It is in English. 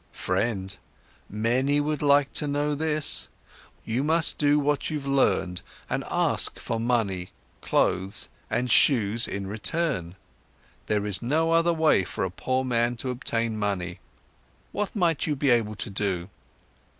"Friend, many would like to know this. You must do what you've learned and ask for money, clothes, and shoes in return. There is no other way for a poor man to obtain money. What might you be able to do?"